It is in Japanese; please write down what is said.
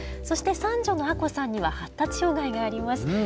そして三女の亜子さんには発達障害があります。